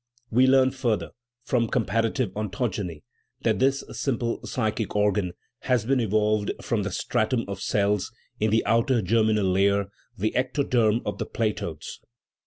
We learn, further, from comparative ontogeny that this simple psychic organ has been evolved from the stratum of cells in the outer germinal layer> the ectoderm, of the platodes.